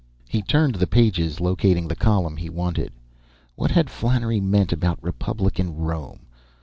He turned the pages, locating the column he wanted. What had Flannery meant about Republican Rome?